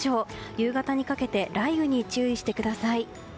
夕方にかけて雷雨に注意してください。